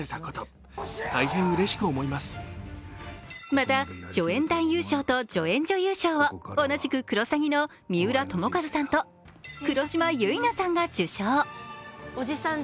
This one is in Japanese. また助演男優賞と助演女優賞を同じく「クロサギ」の三浦友和さんと黒島結菜さんが受賞。